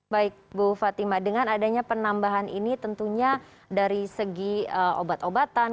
baik bu fatima dengan adanya penambahan ini tentunya dari segi obat obatan